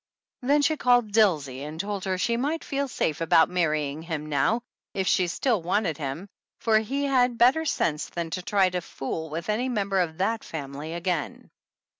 Then she called Dilsey and told her she might feel safe about marrying him nov, if she still wanted him, for he had better sense than to try to fool with any member of that family again.